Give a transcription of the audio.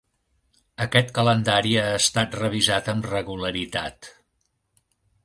Aquest calendari ha estat revisat amb regularitat.